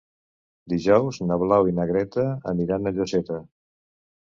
Dijous na Blau i na Greta aniran a Lloseta.